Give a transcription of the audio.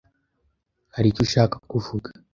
Hari icyo ushaka kuvuga, ?